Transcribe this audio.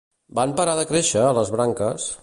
Van parar de créixer, les branques?